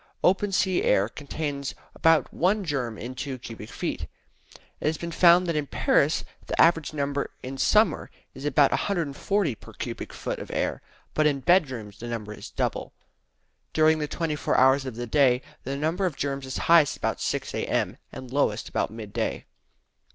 Open sea air contains about one germ in two cubic feet. It has been found that in Paris the average in summer is about 140 per cubic foot of air, but in bedrooms the number is double. During the twenty four hours of the day the number of germs is highest about 6 A.M., and lowest about mid day.